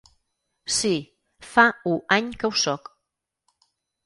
Sí, fa u any que ho soc.